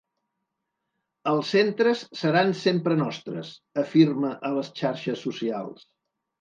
Els centres seran sempre nostres!, afirma a les xarxes socials.